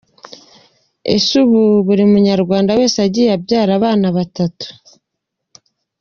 Ese ubu buri Munyarwanda wese agiye abyara abana batatu.